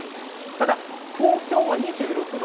ただ、東京は２６度。